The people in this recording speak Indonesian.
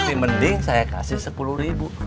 tapi mending saya kasih sepuluh ribu